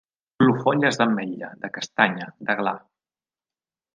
Clofolles d'ametlla, de castanya, de gla.